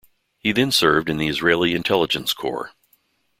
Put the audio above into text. He then served in the Israeli Intelligence Corps.